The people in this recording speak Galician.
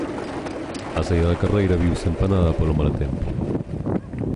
A saída da carreira viuse empanada polo mal tempo.